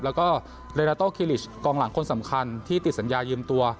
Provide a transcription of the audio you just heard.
แล้วก็เลนาโต้คิลิชกองหลังคนสำคัญที่ติดสัญญายืมตัว